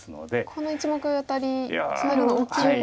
この１目アタリツナぐの大きいですが。